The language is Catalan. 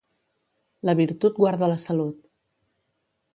La virtut guarda la salut.